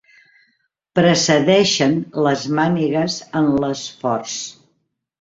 Precedeixen les mànigues en l'esforç.